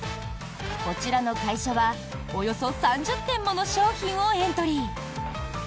こちらの会社はおよそ３０点もの商品をエントリー。